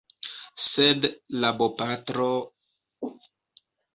Sed la bopatro…